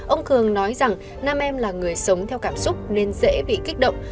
ông cường nói rằng nam em là người sống theo cảm xúc nên dễ bị kích động